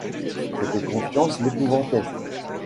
Cette confiance l’épouvantait.